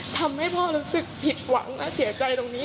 ทำให้พ่อรู้สึกผิดหวังและเสียใจตรงนี้